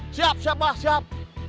siap siap mbah siap